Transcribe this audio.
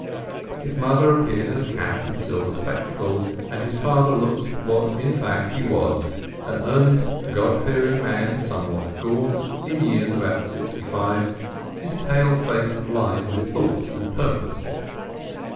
His mother appeared in a cap and silver spectacles, and his father looked what in fact he was—an earnest, God fearing man, somewhat gaunt, in years about sixty five, his pale face lined with thought and purpose.